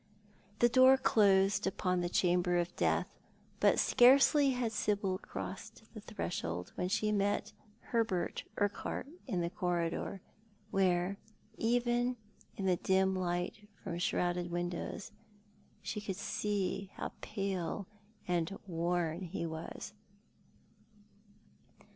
The door closed upon the chamber of death, but scarcely had Sibyl crossed the threshold when she met Hubert Urquhart in the corridor, where, even in the dim light from shrouded windows, she could see how pale and worn he was.